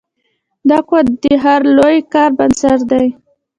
دا قوت د هر لوی کار بنسټ دی.